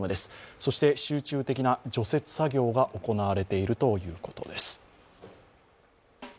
そして集中的な除雪作業が行われているということです。